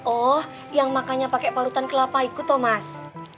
oh yang makannya pakai parutan kelapa itu thomas